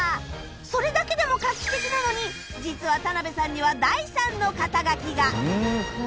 それだけでも画期的なのに実はタナベさんには第三の肩書が